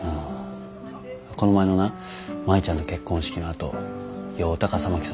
この前のな舞ちゃんの結婚式のあと酔うた笠巻さん